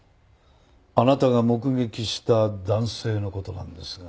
あなたが目撃した男性の事なんですが。